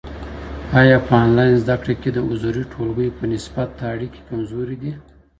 ایا په آنلاین زده کړه کي د حضوري ټولګیو په نسبت اړیکې کمزوري دي؟